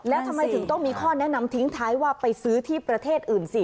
แล้วทำไมถึงต้องมีข้อแนะนำทิ้งท้ายว่าไปซื้อที่ประเทศอื่นสิ